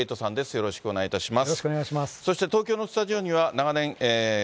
よろしくお願いします。